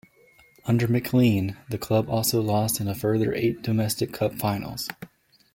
Under McLean, the club also lost in a further eight domestic cup finals.